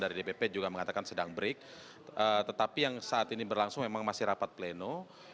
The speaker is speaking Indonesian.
dari dpp juga mengatakan sedang break tetapi yang saat ini berlangsung memang masih rapat pleno